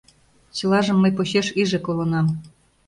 Чылажым мый почеш иже колынам...